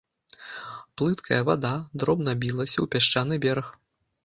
Плыткая вада дробна білася ў пясчаны бераг.